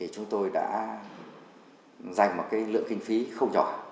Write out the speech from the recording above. chúng tôi đã dành một lượng kinh phí không nhỏ